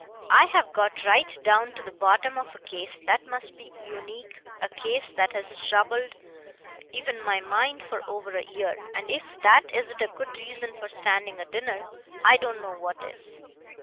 I have got right down to the bottom of a case that must be unique, a case that has troubled even my mind for over a year, and if that isn't a good reason for standing a dinner, I don't know what is.